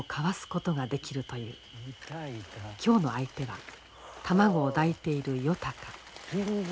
今日の相手は卵を抱いているヨタカ。